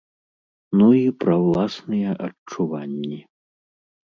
Ну і пра ўласныя адчуванні.